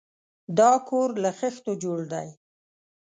دا کور له خښتو جوړ دی.